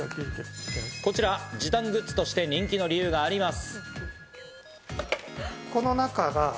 こちら、時短グッズとして人気の理由があります。